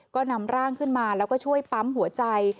ก็นำร่างขึ้นมาแล้วก็ช่วยปั๊มหัวใจ